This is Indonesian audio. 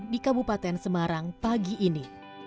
di kabupaten semarang pagi ini